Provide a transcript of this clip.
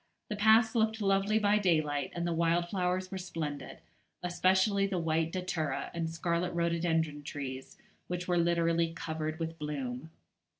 The Pass looked lovely by daylight, and the wild flowers were splendid, especially the white datura and scarlet rhododendron trees, which were literally covered with bloom.